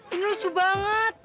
ini lucu banget